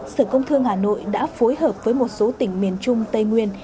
sở công thương hà nội đã phối hợp với một số tỉnh miền trung tây nguyên